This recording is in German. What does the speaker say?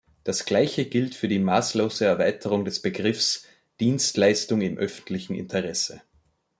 Das gleiche gilt für die maßlose Erweiterung des Begriffs "Dienstleistung im öffentlichen Interesse" .